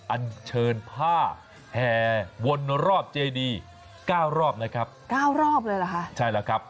อันเชิญผ้าแห่วนรอบเจดีเก้ารอบนะครับเก้ารอบเลยเหรอคะใช่แล้วครับ